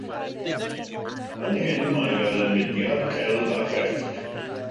Yn hyn mae fel y Mudiad Celf a Chrefft.